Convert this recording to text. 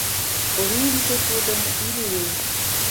Лӱмжӧ тудын Илли.